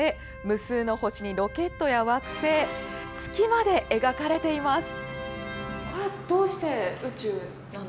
無数の星に、ロケットや惑星月まで描かれています。